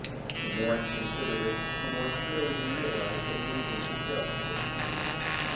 The more he considered it, the more clearly he realized that he was in the devil of a predicament.